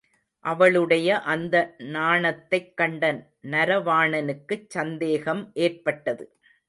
அவளுடைய அந்த நாணத்தைக் கண்ட நரவாணனுக்குச் சந்தேகம் ஏற்பட்டது.